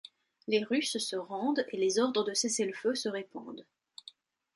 Les Russes se rendent et les ordres de cessez-le-feu se répandent.